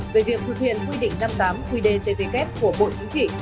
về việc thực hiện quy định năm mươi tám qdtvk của bộ chính trị